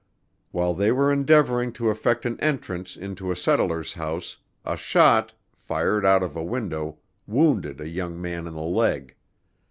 While they were endeavoring to effect an entrance into a settler's house, a shot, fired out of a window, wounded a young man in the leg.